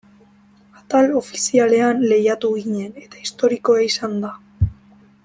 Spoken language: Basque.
Atal ofizialean lehiatu ginen eta historikoa izan da.